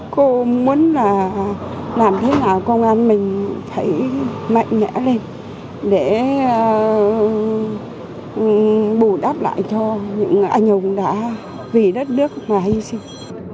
cô muốn làm thế nào công an mình phải mạnh nhẽ lên để bù đắp lại cho những anh hùng đã vì đất nước và hy sinh